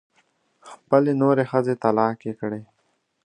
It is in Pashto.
خپلې نورې ښځې طلاقې کړې.